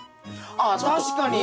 あっ確かに。